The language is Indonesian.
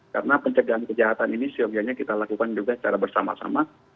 karena pencegahan kejahatan ini seharusnya kita lakukan juga secara bersama sama